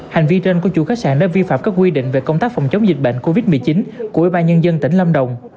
hành vi trên của chủ khách sạn đã vi phạm các quy định về công tác phòng chống dịch covid một mươi chín của ubnd tỉnh lâm đồng